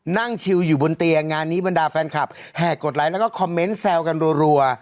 นั่งชิวอยู่บนเตียงงานนี้บรรดาแฟนคลับแห่กดไลค์แล้วก็คอมเมนต์แซวกันรัว